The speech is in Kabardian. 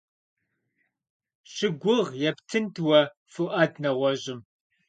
Щыгугъ, ептынт уэ Фуӏад нэгъуэщӏым.